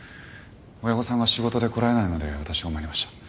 親御さんが仕事で来られないので私が参りました。